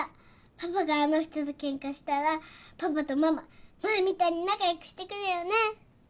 パパがあの人とけんかしたらパパとママ前みたいに仲良くしてくれるよね。